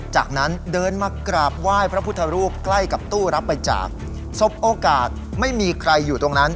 จากนั้นเดินมากราบไหว้พระพุทธรูปใกล้กับตู้รับบริจาคสบโอกาสไม่มีใครอยู่ตรงนั้น